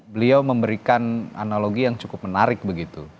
beliau memberikan analogi yang cukup menarik begitu